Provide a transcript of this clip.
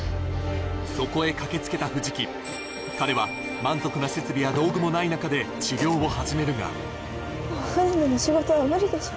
そこへ駆け付けた藤木彼は満足な設備や道具もない中で治療を始めるがもう船での仕事は無理でしょ？